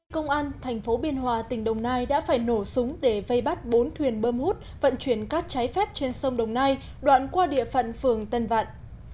công an thành phố biên hòa tỉnh đồng nai đã phải nổ súng để vây bắt bốn thuyền bơm hút vận chuyển cát trái phép trên sông đồng nai đoạn qua địa phận phường tân vạn